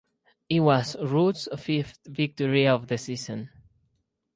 It was Ruud’s fifth victory of the Season.